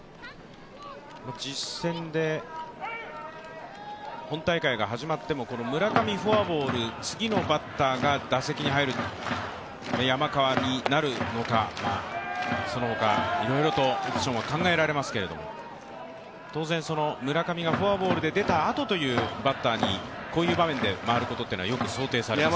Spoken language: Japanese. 実戦で本大会が始まっても村上フォアボール、次のバッターが打席に入る山川になるのか、そのほかいろいろとポジションは考えられますけれども、当然村上がフォアボールで出たあとのバッターにこういう場面で回るということは想定されます。